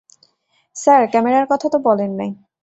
Sir ক্যামেরার কথা তো বলেন নাই।